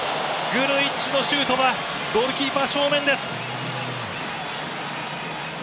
グルイッチのシュートはゴールキーパー正面。